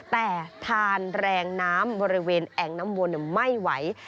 แต่ทานแรงน้ำบริเวณแอ่งน้ำวนไม่ไหว